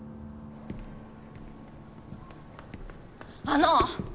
あの！